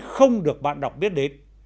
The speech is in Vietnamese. không được bạn đọc biết đến